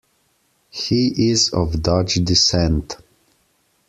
He is of Dutch descent.